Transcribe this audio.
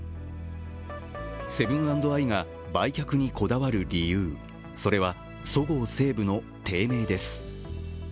セブン＆アイが売却にこだわる理由、それはそごう・西武の低迷です。